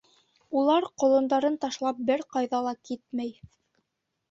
Улар, ҡолондарын ташлап, бер ҡайҙа ла китмәй.